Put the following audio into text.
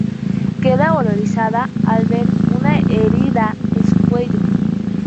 Queda horrorizada al ver una herida en su cuello.